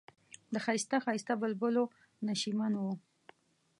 د ښایسته ښایسته بلبلو نشیمن و.